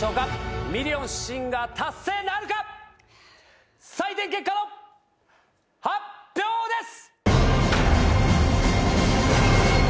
『ミリオンシンガー』達成なるか⁉採点結果の発表です！